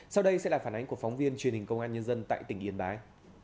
sau đây sẽ là phản ánh của phóng viên truyền hình công an nhân dân tại tỉnh yên bái